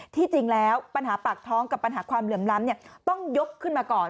ที่จริงแล้วปัญหาปากท้องกับปัญหาความเหลื่อมล้ำต้องยกขึ้นมาก่อน